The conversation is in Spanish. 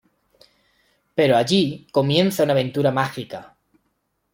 Pero allí comienza una aventura mágica.